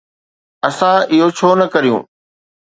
اسان اهو ڇو نه ڪريون؟